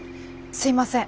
すいません。